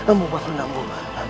ambu bangun ambu